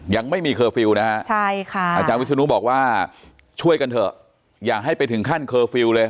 ยังไม่มีเคอร์ฟิลล์นะฮะใช่ค่ะอาจารย์วิศนุบอกว่าช่วยกันเถอะอย่าให้ไปถึงขั้นเคอร์ฟิลล์เลย